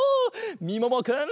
みももくん。